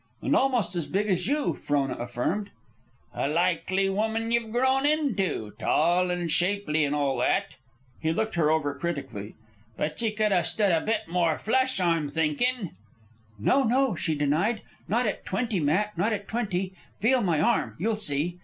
"And almost as big as you," Frona affirmed. "A likely woman ye've grown into, tall, an' shapely, an' all that." He looked her over critically. "But ye cud 'a' stood a bit more flesh, I'm thinkin'." "No, no," she denied. "Not at twenty, Matt, not at twenty. Feel my arm, you'll see."